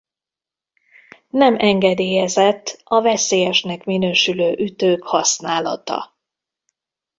Nem engedélyezett a veszélyesnek minősülő ütők használata.